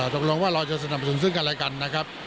ตกลงว่าเราจะสนับสนุนซึ่งกันอะไรกันนะครับ